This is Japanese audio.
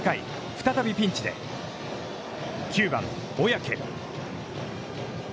再びピンチで、９番小宅。